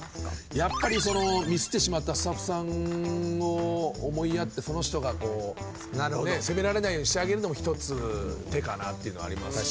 やっぱりそのミスってしまったスタッフさんを思いやってその人が責められないようにしてあげるのも一つ手かなっていうのはありますし。